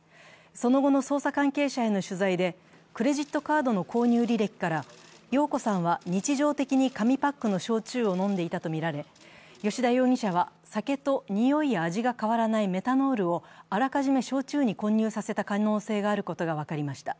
その後の捜査関係者への取材で、クレジットカードの購入履歴から容子さんは日常的に紙パックの焼酎を飲んでいたとみられ、吉田容疑者は、酒と臭いや味が変わらないメタノールをあらかじめ焼酎に混入させた可能性があることが分かりました。